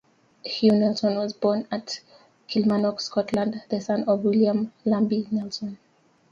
Hugh Nelson was born at Kilmarnock, Scotland, the son of William Lambie Nelson.